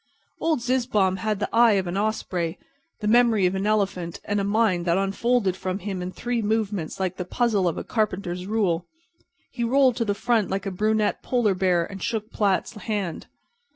Old Zizzbaum had the eye of an osprey, the memory of an elephant and a mind that unfolded from him in three movements like the puzzle of the carpenter's rule. He rolled to the front like a brunette polar bear, and shook Platt's hand.